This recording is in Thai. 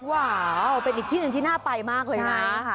ว้าวเป็นอีกที่หนึ่งที่น่าไปมากเลยนะ